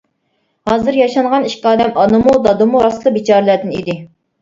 ھازىر ياشانغان ئىككى ئادەم ئانىمۇ، دادىمۇ راستلا بىچارىلەردىن ئىدى.